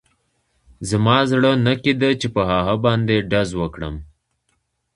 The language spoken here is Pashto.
زما زړه نه کېده چې په هغه باندې ډز وکړم